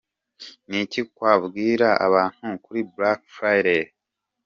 Q: : Niki wabwira abantu kuri black Friday?.